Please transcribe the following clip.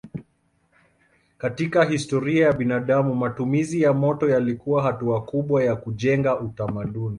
Katika historia ya binadamu matumizi ya moto yalikuwa hatua kubwa ya kujenga utamaduni.